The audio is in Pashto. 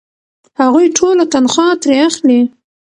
هغوی ټوله تنخوا ترې اخلي.